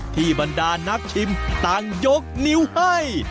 บรรดานักชิมต่างยกนิ้วให้